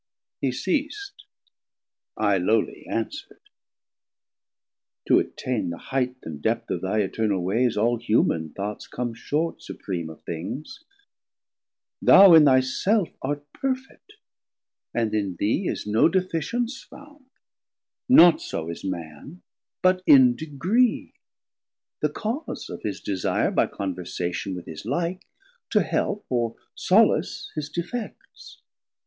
He ceas'd, I lowly answer'd. To attaine The highth and depth of thy Eternal wayes All human thoughts come short, Supream of things; Thou in thy self art perfet, and in thee Is no deficience found; not so is Man, But in degree, the cause of his desire By conversation with his like to help, Or solace his defects.